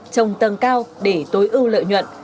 trồng tầng cao để tối ưu lợi nhuận